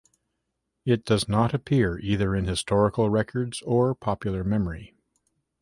It does not appear either in historical records or popular memory.